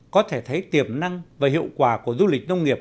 có thể thấy tiềm năng và hiệu quả của du lịch nông nghiệp